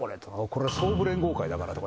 「これ総武連合会だから」とか。